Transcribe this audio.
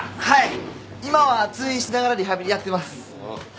はい今は通院しながらリハビリやってます。